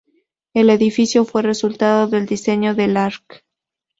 El edificio fue resultado del diseño del Arq.